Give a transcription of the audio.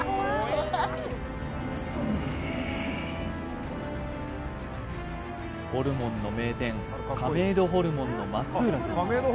うんホルモンの名店亀戸ホルモンの松浦さん